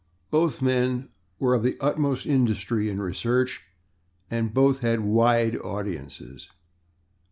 Both men were of the utmost industry in research, and both had wide audiences.